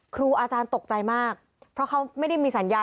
ครูอาจารย์ตกใจมากเพราะเขาไม่ได้มีสัญญา